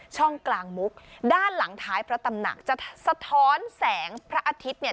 ช่องกลางมุกด้านหลังท้ายพระตำหนักจะสะท้อนแสงพระอาทิตย์เนี่ย